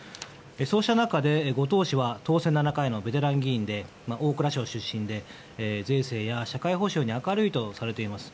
そうした中で、後藤氏は当選７回のベテラン議員で大蔵省出身で税制や社会保障に明るいとされています。